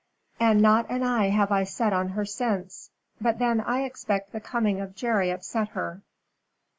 And not an eye have I set on her since. But then I expect the coming of Jerry upset her."